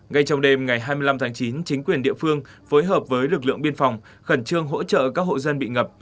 ngay trong đêm ngày hai mươi năm tháng chín chính quyền địa phương phối hợp với lực lượng biên phòng khẩn trương hỗ trợ các hộ dân bị ngập